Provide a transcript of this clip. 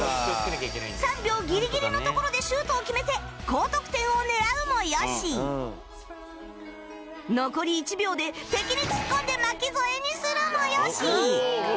３秒ギリギリのところでシュートを決めて高得点を狙うもよし残り１秒で敵に突っ込んで巻き添えにするもよし